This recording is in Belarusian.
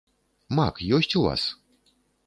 Мак ёсць у вас?